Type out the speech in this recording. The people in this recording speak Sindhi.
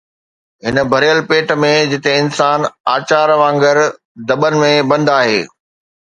هن ڀريل ٻيٽ ۾ جتي انسان اچار وانگر دٻن ۾ بند آهي